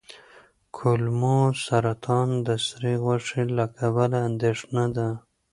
کولمو سرطان د سرې غوښې له کبله اندېښنه ده.